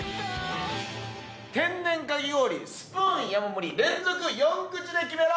天然かき氷スプーン山盛り連続４口でキメろ！